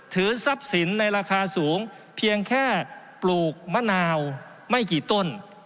ถือทรัพย์สินในราคาสูงเพียงแค่ปลูกมะนาวไม่กี่ต้น